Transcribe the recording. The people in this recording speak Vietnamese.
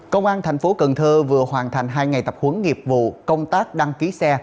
công an thành phố cần thơ vừa hoàn thành hai ngày tập huấn nghiệp vụ công tác đăng ký xe